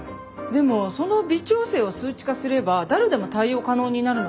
でもその微調整を数値化すれば誰でも対応可能になるのでは？